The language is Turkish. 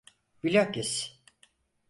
Bilakis.